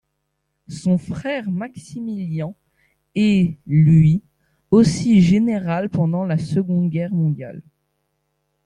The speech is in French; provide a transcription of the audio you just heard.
Son frère Maximilian est lui aussi général pendant la Seconde Guerre mondiale.